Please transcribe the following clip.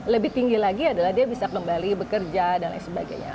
lebih tinggi lagi adalah dia bisa kembali bekerja dan lain sebagainya